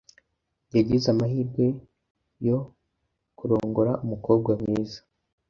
Yagize amahirwe yo kurongora umukobwa mwiza.